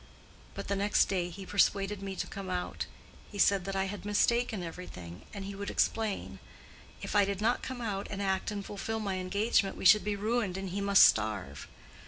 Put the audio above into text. But the next day he persuaded me to come out: he said that I had mistaken everything, and he would explain: if I did not come out and act and fulfill my engagement, we should be ruined and he must starve.